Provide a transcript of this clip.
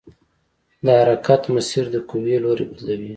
د حرکت مسیر د قوې لوری بدلوي.